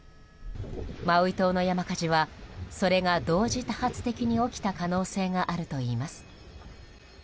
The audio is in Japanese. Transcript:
マウイ島の山火事はそれが同時多発的に起きた可能性があるといいます。